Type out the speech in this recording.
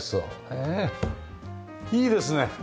へえいいですね。